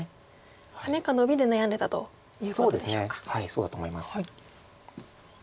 そうだと思います。